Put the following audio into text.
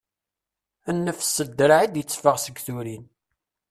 Nnefs s ddraɛ i d-itteffaɣ seg turin.